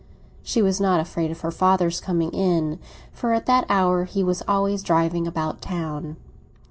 She was not afraid of her father's coming in, for at that hour he was always driving about town.